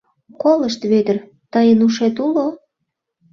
— Колышт, Вӧдыр, тыйын ушет уло?